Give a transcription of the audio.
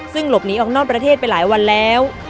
ซึ่งหลบหนีออกนอกประเทศไปหลายวันแล้ว